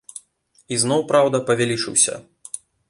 І зноў праўда, павялічыўся.